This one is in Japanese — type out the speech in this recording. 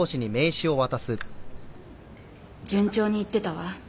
順調にいってたわ。